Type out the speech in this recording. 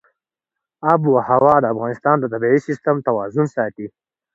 آب وهوا د افغانستان د طبعي سیسټم توازن ساتي.